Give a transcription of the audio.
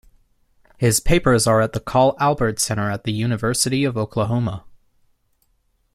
His papers are at the Carl Albert Center at the University of Oklahoma.